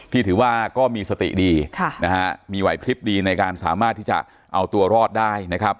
ถือว่าก็มีสติดีมีไหวพลิบดีในการสามารถที่จะเอาตัวรอดได้นะครับ